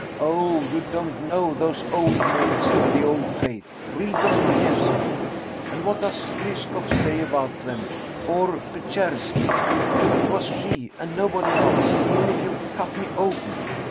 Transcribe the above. Oh, you don't know those old maids of the Old Faith. Read Dos toyevsky! And what does Lyeskoff say about them, or Petcherski? It was she, and nobody else, even if you cut me open.